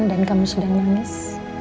dan kamu sudah nangis